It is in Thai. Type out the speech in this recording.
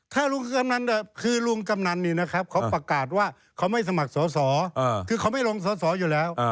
ถ้าลุงคือลุงกำนันนี่นะครับเขาประกาศว่าเขาไม่สมัครสอสอคือเขาไม่ลงสอสออยู่แล้ว